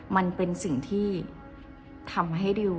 มันเป็นสิ่งที่ทำให้ดิว